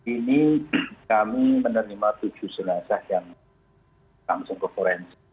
ini kami menerima tujuh jenazah yang langsung ke forensik